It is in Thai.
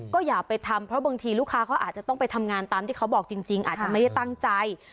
ก็อย่าไปทำเพราะบางทีลูกค้าเขาอาจจะต้องไปทำงานตามที่เขาบอกจริงอาจจะไม่ได้ตั้งใจ